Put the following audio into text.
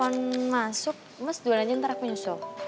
mas ini ada telepon masuk mas duluan aja ntar aku nyusul